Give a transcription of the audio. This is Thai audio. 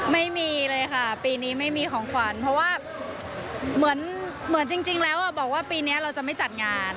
ไม่มีเลยค่ะปีนี้ไม่มีของขวัญเพราะว่าเหมือนจริงแล้วบอกว่าปีนี้เราจะไม่จัดงาน